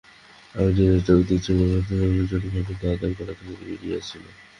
আমি নিজের চোখে দেখেছি, কুণ্ডুদের গোমস্তা গুরুচরণ ভাদুড়ি টাকা আদায় করতে বেরিয়েছিল।